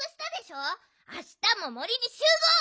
あしたももりにしゅうごう！